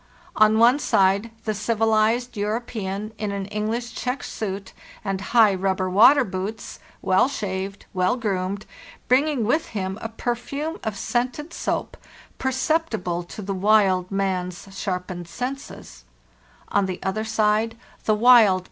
On one side the civilized European in an English check suit and high rubber water boots, well shaved, well groomed, bringing with him a perfume of scented soap, perceptible to the wild man's sharpened senses; on the other side the wild Il.